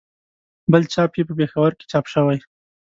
بل چاپ یې په پېښور کې چاپ شوی.